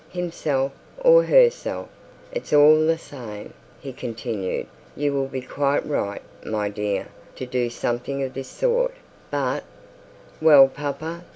'Himself or herself, it's all the same,' he continued, 'you will be quite right, my dear, to do something of this sort; but ' 'Well, papa.'